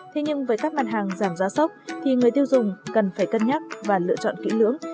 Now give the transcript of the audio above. thế nhưng với các mặt hàng giảm giá sốc thì người tiêu dùng cần phải cân nhắc và lựa chọn kỹ lưỡng